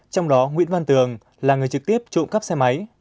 trong đó nguyễn văn tường là người trực tiếp trộm cắp xe máy